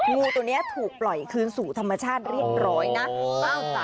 งูตัวนี้ถูกปล่อยคืนสู่ธรรมชาติเรียบร้อยนะ